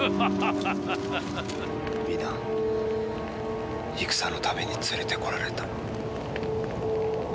皆戦のために連れてこられた。